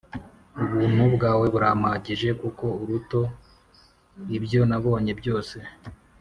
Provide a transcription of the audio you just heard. ubuntu bwawe burampagije kuko uruto ibyo nabonye byose